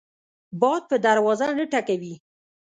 باد په دروازه نه ټکوي